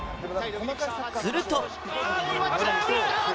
すると。